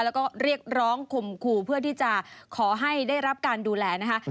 แล้วก็เรียกร้องคมคู่เพื่อที่จะขอให้ได้รับการดูแลนะคะ